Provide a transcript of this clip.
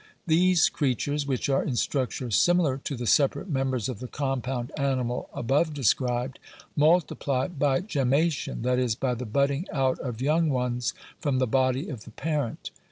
These creatures (which are in structure similar to the separate members of the compound animal above described), multiply by gemmation, that is, by the budding out of young ones from the body of the parent.